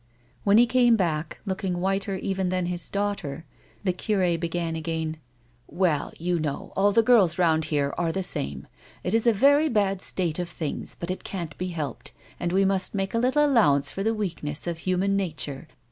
When he came back, looking whiter even than his daughter, the cur^ began again :" Well, you know, all the girls rov.ad here are the same. It is a very bad state of things, but it can't be helped, and we must make a little allowance for the weakness of human nature.